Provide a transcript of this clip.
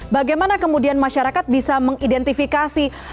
bagaimana kemudian masyarakat bisa mengidentifikasi